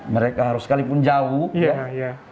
mereka harus sekalipun jauh ya